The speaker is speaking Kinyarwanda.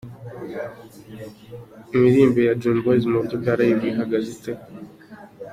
Imiririmbire ya Dream Boyz mu buryo bwa Live ihagaze ite ?.